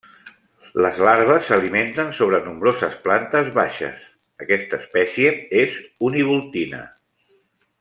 Les larves s'alimenten sobre nombroses plantes baixes; aquesta espècie és univoltina.